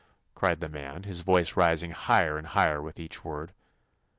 cried the man, his voice ris ing higher and higher with each word.